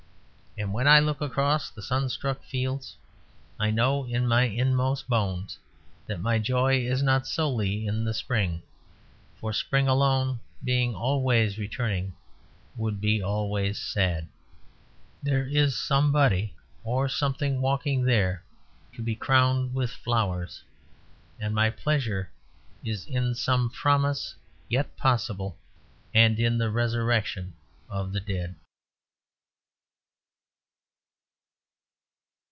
And when I look across the sun struck fields, I know in my inmost bones that my joy is not solely in the spring, for spring alone, being always returning, would be always sad. There is somebody or something walking there, to be crowned with flowers: and my pleasure is in some promise yet possible and in the resurrection of the dead.